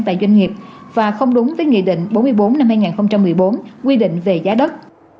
tại doanh nghiệp và không đúng với nghị định bốn mươi bốn năm hai nghìn một mươi bốn quy định về giá đất